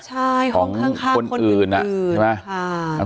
ใช่ของคนอื่นใช่ไหม